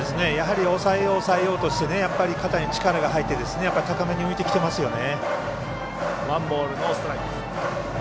抑えよう抑えようとして肩に力が入って高めに浮いてきてますよね。